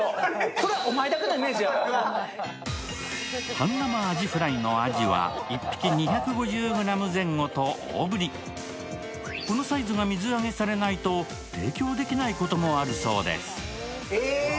半生アジフライのアジは１匹２５０ｇ前後と大ぶりこのサイズが水揚げされないと提供できないこともあるそうですえ！